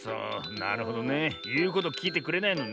なるほどね。いうこときいてくれないのね。